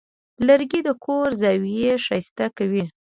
لرګی د کور زاویې ښایسته کوي.